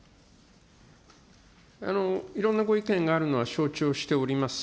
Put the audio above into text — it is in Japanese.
いろんなご意見があるのは承知をしております。